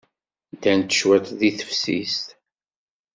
Ddant cwiṭ deg teftist.